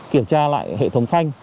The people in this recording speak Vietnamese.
kiểm tra lại hệ thống phanh